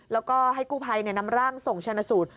แล้วก็ให้กู้ภัยนำร่างส่งชนะสูตร